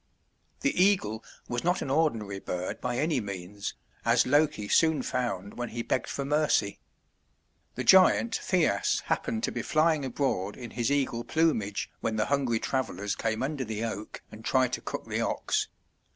The eagle was not an ordinary bird by any means, as Loki soon found when he begged for mercy. The giant Thjasse happened to be flying abroad in his eagle plumage when the hungry travellers came under the oak and tried to cook the ox.